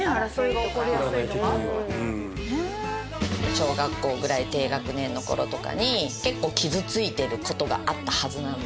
小学校ぐらい低学年のころとかに結構傷ついてることがあったはずなんだよね。